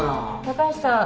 高橋さん。